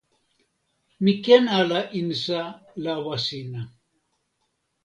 mi ken ala insa lawa sina